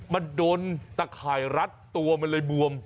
มันโดนตะข่ายรัดตัวมันเลยบวม